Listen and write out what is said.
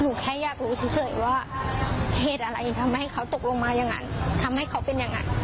ทำให้เขาเป็นอย่างนั้น